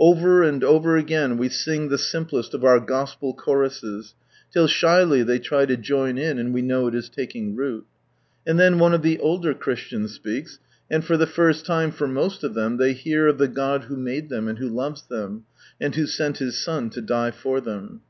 Over and over again we sing the simplest of our Gospel choruses, till shyly they try to join in, and we know it is taking root. And ihen one of the older Christians speaks, and for the Rrst time for most of them, they hear of the God who made them and who loves them, and who sent His Son to die for them.